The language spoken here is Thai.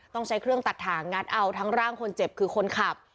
ต้องใช้เครื่องตัดถ่างงัดเอาทั้งร่างคนเจ็บคือคนขับ